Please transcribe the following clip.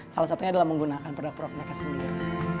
salah satunya adalah menggunakan produk produk mereka sendiri